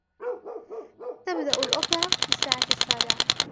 تبدأ الأوبرا في الساعة السابعة.